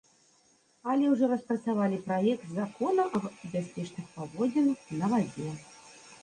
Але ўжо распрацавалі праект закона аб бяспечных паводзінах на вадзе.